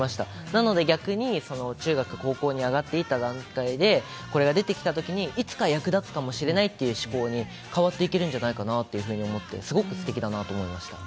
なので逆に、中学、高校に上がっていった段階でこれが出てきたときに、いつか役立つかもしれなという思考に変わっていけるんじゃないかなと思ってすごくすてきだなと思いました。